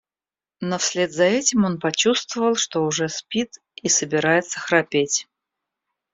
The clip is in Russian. Но вслед за этим он почувствовал, что уже спит и собирается храпеть.